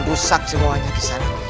dusak sebuahnya di sana